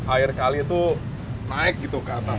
air kali itu naik gitu ke atas